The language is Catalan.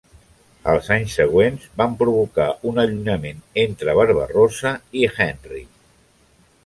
Els anys següents van provocar un allunyament entre Barbarossa i Henry.